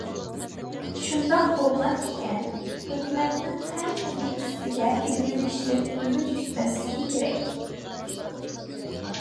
شۇنداق بولغان ئىكەن، ھۆكۈمەتنىڭ ھەممىنى ئۈستىگە ئېلىۋېلىشىدىن ئۈمىد كۈتمەسلىك كېرەك.